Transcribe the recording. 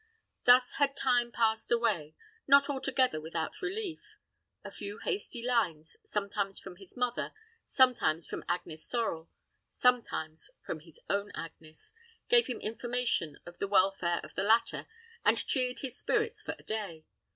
Thus had time passed away, not altogether without relief; a few hasty lines, sometimes from his mother, sometimes from Agnes Sorel, sometimes from his own Agnes, gave him information of the welfare of the latter, and cheered his spirits for a day.